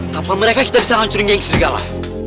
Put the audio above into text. tanpa mereka kita bisa hancurin geng serigala